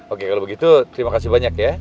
oke kalau begitu terima kasih banyak ya